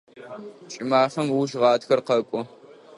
Кӏымафэм ыуж гъатхэр къэкӏо.